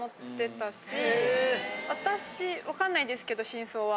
私わかんないですけど真相は。